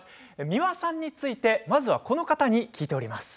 美輪さんについてまずはこの方に聞いております。